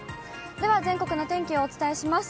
では全国の天気をお伝えします。